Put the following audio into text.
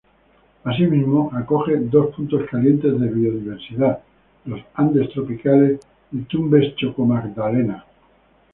Así mismo, acoge dos puntos calientes de biodiversidad; los Andes Tropicales y Tumbes-Chocó-Magdalena.